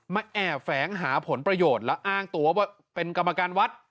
แอบแฝงหาผลประโยชน์และอ้างตัวว่าเป็นกรรมการวัด